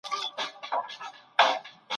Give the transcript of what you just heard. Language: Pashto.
څوک د غصب سوو ځمکو شکایت اوري؟